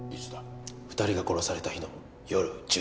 ２人が殺された日の夜１０時ごろです。